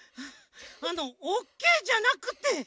あのオッケーじゃなくて。